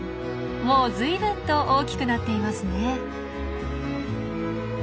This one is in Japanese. もうずいぶんと大きくなっていますね。